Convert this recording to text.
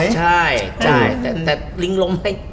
ใช่แต่ลิงลมให้